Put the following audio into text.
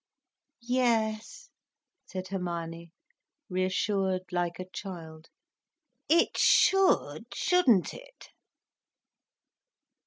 "Yes," said Hermione, reassured like a child, "it should, shouldn't it?